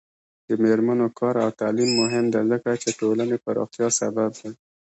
د میرمنو کار او تعلیم مهم دی ځکه چې ټولنې پراختیا سبب دی.